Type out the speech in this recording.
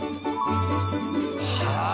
はあ！